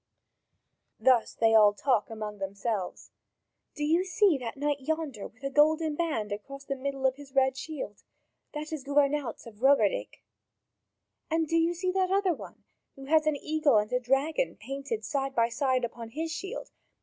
Thus they talk among themselves: "Do you see that knight yonder with a golden band across the middle of his red shield? That is Governauz of Roberdic. And do you see that other one, who has an eagle and a dragon painted side by side upon his shield?